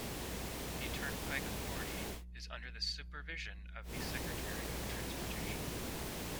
The Turnpike Authority is under the supervision of the Secretary of Transportation.